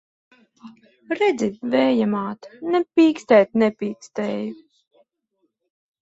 Redzi, Vēja māt! Ne pīkstēt nepīkstēju!